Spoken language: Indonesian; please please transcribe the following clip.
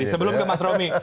sebelum ke mas romy